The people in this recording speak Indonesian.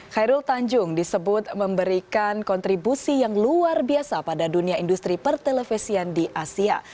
khairul tanjung disebut memberikan kontribusi yang luar biasa pada dunia industri pertelevisian di asia